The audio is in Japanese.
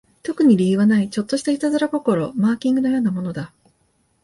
特に理由はない、ちょっとした悪戯心、マーキングのようなものだ